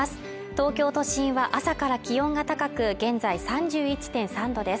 東京都心は朝から気温が高く、現在３１．３度です。